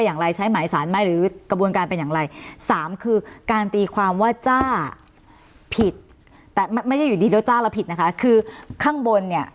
อะไรอย่างเงี้ยครับ